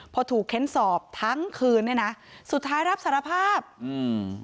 พอถูกเค้นสอบทั้งคืนเนี้ยนะสุดท้ายรับสารภาพอืม